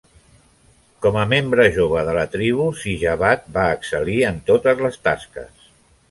Com a membre jove de la tribu, Sijabat va excel·lir en totes les tasques.